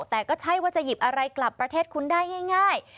แต่ก็ใช่ว่าจะหยิบอะไรกลับประเทศคุณได้ง่าย